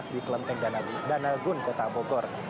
di kelenteng danagun kota bogor